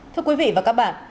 thưa quý vị và các bạn